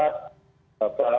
terima kasih pak